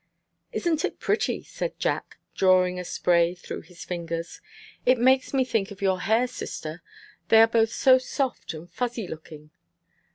"Isn't it pretty?" said Jack, drawing a spray through his fingers. "It makes me think of your hair, sister. They are both so soft and fuzzy looking."